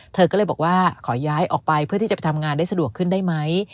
เธอก็เลยบอกว่าขอย้ายออกไปเพื่อที่จะไปทำงานได้สะดวกขึ้นได้ไหม